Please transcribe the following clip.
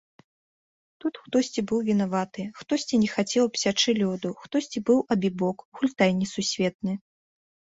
Тут хтосьці быў вінаваты, хтосьці не хацеў абсячы лёду, хтосьці быў абібок, гультай несусветны.